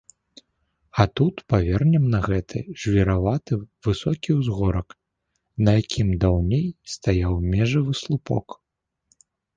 А тут павернем на гэты жвіраваты высокі ўзгорак, на якім даўней стаяў межавы слупок.